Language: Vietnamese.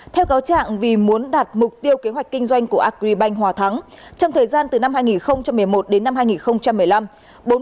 theo cáo trạng vì muốn đạt mục tiêu kế hoạch kinh doanh của agribank hòa thắng trong thời gian từ năm hai nghìn một mươi một đến năm hai nghìn một mươi năm